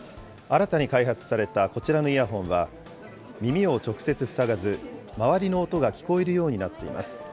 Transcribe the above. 新たに開発されたこちらのイヤホンは、耳を直接塞がず、周りの音が聞こえるようになっています。